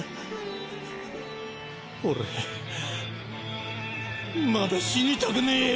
俺まだ死にたくねえよ